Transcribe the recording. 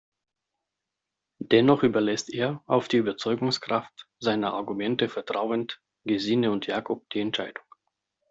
Dennoch überlässt er, auf die Überzeugungskraft seiner Argumente vertrauend, Gesine und Jakob die Entscheidung.